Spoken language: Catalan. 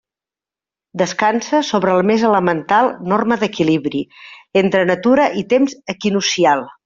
Descansa sobre la més elemental norma d'equilibri entre natura i temps equinoccial.